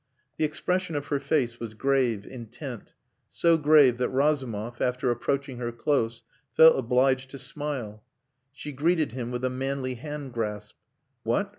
The expression of her face was grave, intent; so grave that Razumov, after approaching her close, felt obliged to smile. She greeted him with a manly hand grasp. "What!